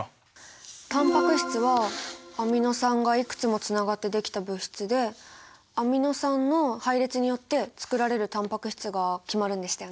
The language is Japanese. タンパク質はアミノ酸がいくつもつながってできた物質でアミノ酸の配列によってつくられるタンパク質が決まるんでしたよね！